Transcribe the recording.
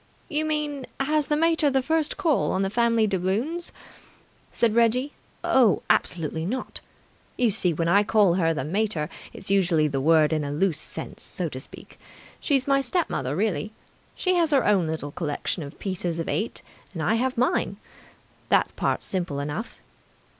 "You mean has the mater the first call on the family doubloons?" said Reggie. "Oh, absolutely not! You see, when I call her the mater, it's using the word in a loose sense, so to speak. She's my step mother really. She has her own little collection of pieces of eight, and I have mine. That part's simple enough."